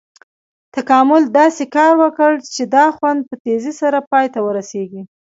تکامل داسې کار وکړ چې دا خوند په تیزي سره پای ته ورسېږي.